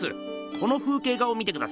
この風景画を見てください。